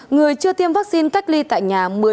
người chưa tiêm vaccine cách ly tại nhà một mươi bốn ngày